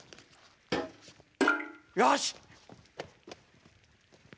よし。